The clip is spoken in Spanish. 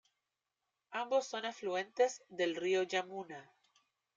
Ambos son afluentes del río Yamuna.